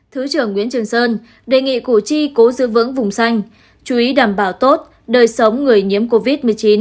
thứ trưởng nguyễn trường sơn đề nghị củ chi cố giữ vững vùng xanh chú ý đảm bảo tốt đời sống người nhiễm covid một mươi chín